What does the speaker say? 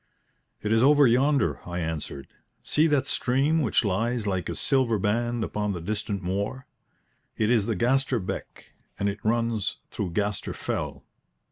"It is over yonder," I answered. "See that stream which lies like a silver band upon the distant moor? It is the Gaster Beck, and it runs through Gaster Fell."